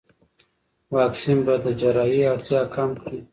واکسین به د جراحي اړتیا کم کړي.